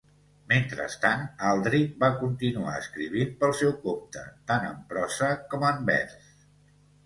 Mentrestant, Aldrich va continuar escrivint pel seu compte, tant en prosa com en vers.